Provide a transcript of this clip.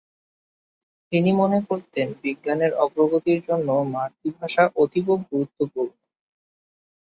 তিনি মনে করতেন বিজ্ঞানের অগ্রগতির জন্য মাতৃভাষা অতীব গুরুত্বপূর্ণ।